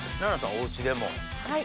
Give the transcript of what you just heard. おうちでも。